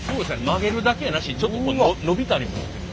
曲げるだけやなしにちょっと伸びたりもする。